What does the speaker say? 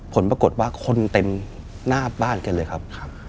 ผลปรากฏว่าคนเต็มหน้าบ้านกันเลยครับ